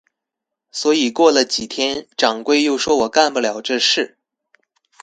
所以过了几天，掌柜又说我干不了这事。